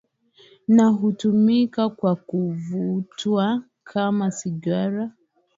Na hutumika kwa kuvutwa kama sigara